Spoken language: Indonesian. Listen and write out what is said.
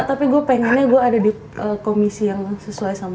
tapi gue pengennya gue ada di komisi yang sesuai sama